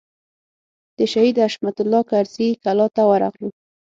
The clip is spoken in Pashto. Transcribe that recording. د شهید حشمت الله کرزي کلا ته ورغلو.